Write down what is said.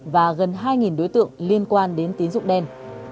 và gần hai đối tượng liên quan đến tín dụng đen